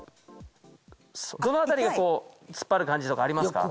どの辺りが突っ張る感じとかありますか？